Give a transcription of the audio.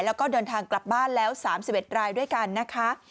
แล้วก็เดินทางกลับบ้านแล้ว๓๑รายด้วยกันนะคะ